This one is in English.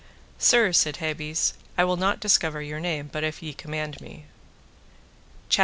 Sir, said Hebes, I will not discover your name but if ye command me. CHAPTER X.